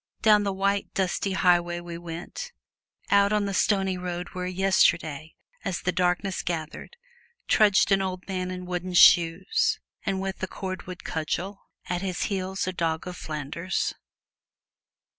Down the white, dusty highway we went; out on the stony road where yesterday, as the darkness gathered, trudged an old man in wooden shoes and with a cordwood cudgel at his heels a dog of Flanders.